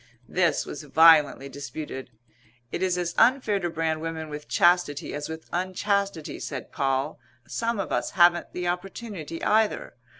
This was violently disputed. "It is as unfair to brand women with chastity as with unchastity," said Poll. "Some of us haven't the opportunity either.